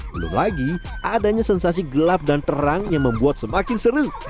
belum lagi adanya sensasi gelap dan terang yang membuat semakin senang